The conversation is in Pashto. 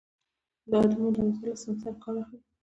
دا اتومات دروازه له سنسر کار اخلي.